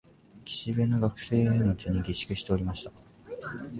岸辺の学生町に下宿しておりました